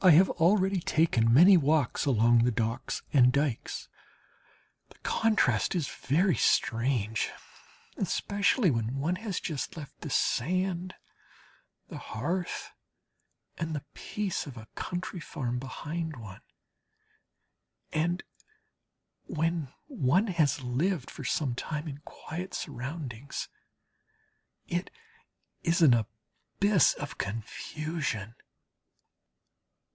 I have already taken many walks along the docks and dikes. The contrast is very strange, especially when one has just left the sand, the hearth, and the peace of a country farm behind one, and when one has lived for some time in quiet surroundings. It is an abyss of confusion.